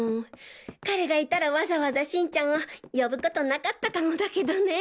彼がいたらわざわざ新ちゃんを呼ぶことなかったかもだけどね。